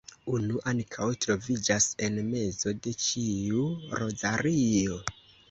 Unu ankaŭ troviĝas en mezo de ĉiu rozario.